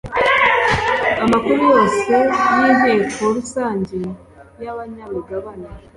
amakuru yose y inteko rusange y abanyamigabane